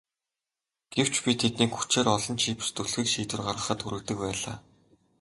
Гэвч би тэднийг хүчээр олон чипс түлхэх шийдвэр гаргахад хүргэдэг байлаа.